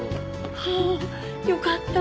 ああよかった！